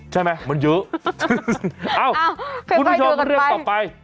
ใช่ไหมมันเยอะอ้าวอ่ะคุณผู้ชมกูเรียกต่อไป